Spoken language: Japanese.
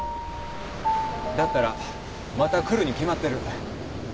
だったらまた来るに決まってる。